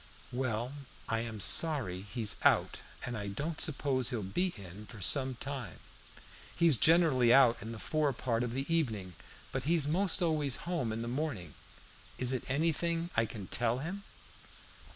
"Well, I am sorry he's out, and I don't suppose he'll be in for some time. He's generally out in the fore part of the evening; but he's most always home in the morning. Is it anything I can tell him?"